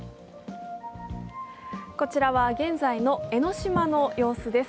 こちらは現在の江の島の様子です。